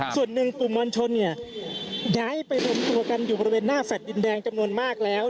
ส่วนหนึ่งกลุ่มมวลชนเนี่ยย้ายไปรวมตัวกันอยู่บริเวณหน้าแฟลต์ดินแดงจำนวนมากแล้ว